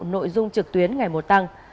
nội dung trực tuyến ngày một tăng